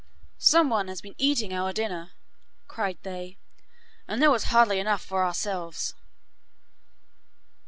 'Some one has been eating our dinner,' cried they, 'and there was hardly enough for ourselves.